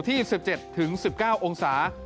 ต่ำสุดจะอยู่ที่๑๗๑๙องศา